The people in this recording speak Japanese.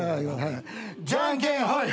じゃんけんほい。